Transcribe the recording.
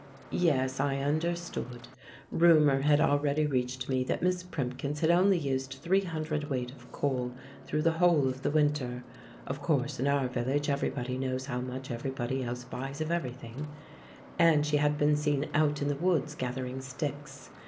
Yes, I understood. Rumour had already reached me that Miss Primkins had only used three hundredweight of coal through the whole of the winter (of course, in our village everybody knows how much everybody else buys of everything), and she had been seen out in the woods gathering sticks.